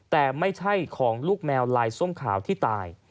และถือเป็นเคสแรกที่ผู้หญิงและมีการทารุณกรรมสัตว์อย่างโหดเยี่ยมด้วยความชำนาญนะครับ